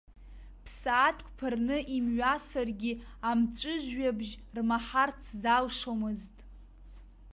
Ԥсаатәк ԥырны имҩасыргьы амҵәыжәҩабжь рмаҳарц залшомызт.